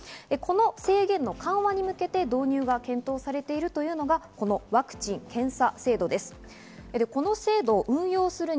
この宣言の緩和に向けて導入が検討されているのがワクチン検査制度です。